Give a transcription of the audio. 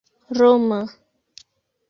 roma